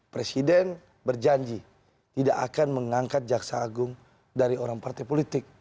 presiden berjanji tidak akan mengangkat jaksa agung dari orang partai politik